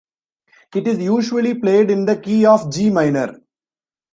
It is usually played in the key of G minor.